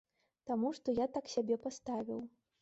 Таму што я так сябе паставіў.